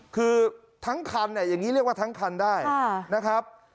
คือทั้งคันเนี่ยอย่างนี้เรียกว่าทั้งคันได้นะครับ